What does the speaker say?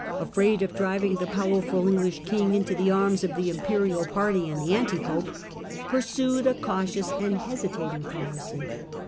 afraid of driving the powerful English king into the arms of the imperial party and the anti pope, pursued a cautious and hesitating policy.